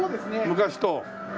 昔と。